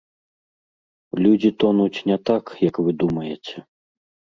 Людзі тонуць не так, як вы думаеце.